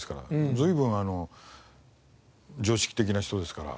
随分常識的な人ですから。